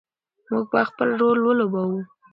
موږ باید خپل رول ولوبوو.